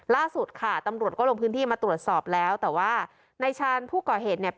ล่าสุดค่ะตำรวจก็ลงพื้นที่มาตรวจสอบแล้วแต่ว่านายชาญผู้ก่อเหตุเนี่ย